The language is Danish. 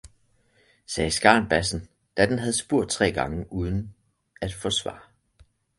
sagde skarnbassen, da den havde spurgt tre gange uden at få svar.